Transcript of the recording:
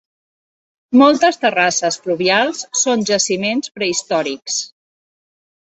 Moltes terrasses fluvials són jaciments prehistòrics.